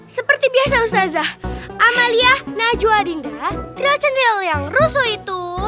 seperti biasa ustazah amalia najwa dinda trilocen lil yang rusuh itu